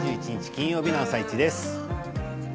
金曜日の「あさイチ」です。